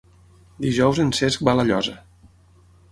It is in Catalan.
Dijous en Cesc va a La Llosa.